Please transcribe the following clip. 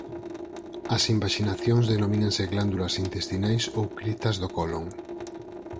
As invaxinacións denomínanse glándulas intestinais ou criptas do colon.